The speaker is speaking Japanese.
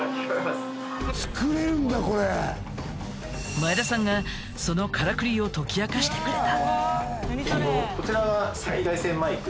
前田さんがそのカラクリを解き明かしてくれた。